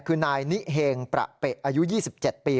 คือนายนิเฮงประเปะอายุ๒๗ปี